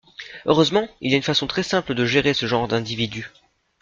Heureusement, il y a une façon très simple de gérer ce genre d’individus.